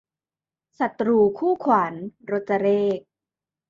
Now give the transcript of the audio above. ศัตรูคู่ขวัญ- รจเรข